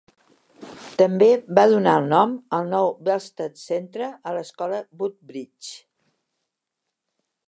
També va donar el nom al nou "Belstead Centre" a l'escola Woodbridge.